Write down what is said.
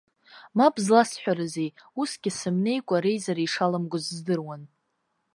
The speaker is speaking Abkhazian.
Мап зласҳәарызи, усгьы сымнеикәа реизара ишаламгоз здыруан.